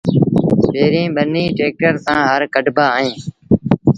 پيريݩ ٻنيٚ ٽيڪٽر سآݩ هر ڪڍبآ اهيݩ